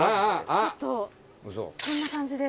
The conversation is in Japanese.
ちょっとこんな感じです。